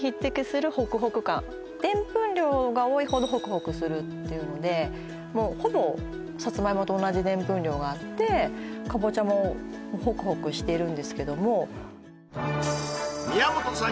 でんぷん量が多いほどホクホクするっていうのでもうほぼサツマイモと同じでんぷん量があってカボチャもホクホクしてるんですけども宮本さん